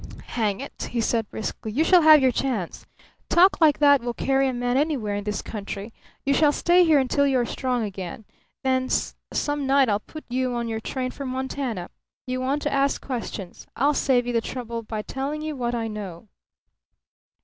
"Hang it!" he said, briskly. "You shall have your chance. Talk like that will carry a man anywhere in this country. You shall stay here until you are strong again. Then some night I'll put you on your train for Montana. You want to ask questions. I'll save you the trouble by telling you what I know."